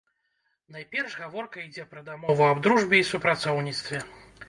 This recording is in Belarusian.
Найперш гаворка ідзе пра дамову аб дружбе і супрацоўніцтве.